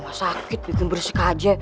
masakit bikin bersih ke aji